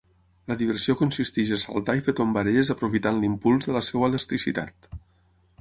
La diversió consisteix a saltar i fer tombarelles aprofitant l'impuls de la seva elasticitat.